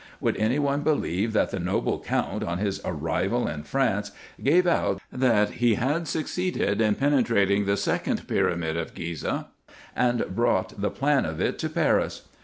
Would any one believe, that the noble Count, on his arrival in France, gave out, that he had succeeded in penetrating the second pyramid of Ghizeh, and brought the plan of it to Paris